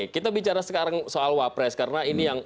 kita bicara sekarang soal wapres karena ini yang